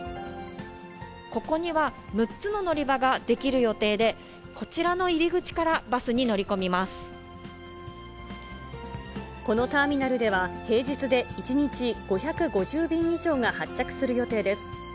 ここには、６つの乗り場が出来る予定で、こちらの入り口からバスに乗り込このターミナルでは、平日で１日５５０便以上が発着する予定です。